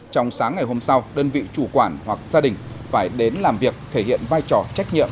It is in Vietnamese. trong sáng ngày hôm sau đơn vị chủ quản hoặc gia đình phải đến làm việc thể hiện vai trò trách nhiệm